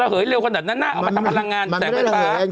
โทษทีน้องโทษทีน้อง